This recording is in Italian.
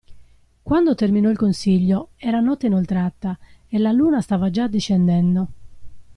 Quando terminò il consiglio, era notte inoltrata, e la Luna stava già discendendo.